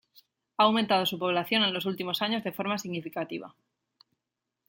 Ha aumentado su población en los últimos años de forma significativa.